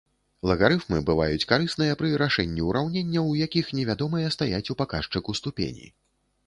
Лагарыфмы бываюць карысныя пры рашэнні ўраўненняў, у якіх невядомыя стаяць у паказчыку ступені.